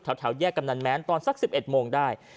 แถวแยกกำนันแม้นตอนสัก๑๑โมงได้